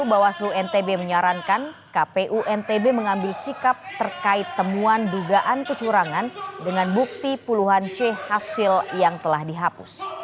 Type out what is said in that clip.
bawaslu ntb menyarankan kpu ntb mengambil sikap terkait temuan dugaan kecurangan dengan bukti puluhan c hasil yang telah dihapus